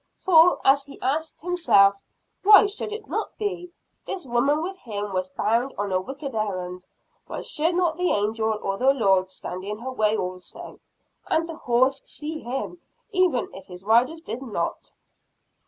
For, as he asked himself, "Why should it not be? This woman with him was bound on a wicked errand. Why should not the angel or the Lord stand in her way also and the horse see him, even if his riders did not?"